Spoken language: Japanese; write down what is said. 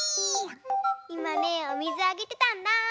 いまねおみずあげてたんだ。ねぇ。